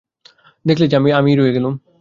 দেখলে যে আমি রয়েই গেলুম।